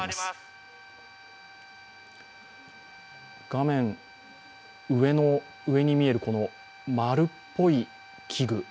画面上に見える丸っぽい器具